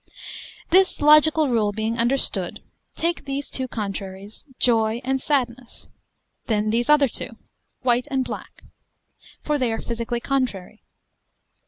This logical rule being understood, take these two contraries, joy and sadness; then these other two, white and black, for they are physically contrary.